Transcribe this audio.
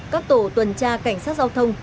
các tổ tuần tra cảnh sát giao thông